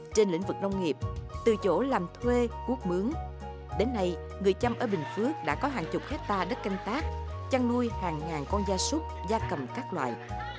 trên lĩnh vực nông nghiệp từ chỗ làm thuê quốc mướn đến nay người chăm ở bình phước đã có hàng chục hectare đất canh tác chăn nuôi hàng ngàn con da súc da cầm các loại